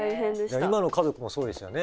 今の家族もそうでしたよね。